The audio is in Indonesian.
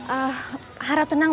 eh harap tenang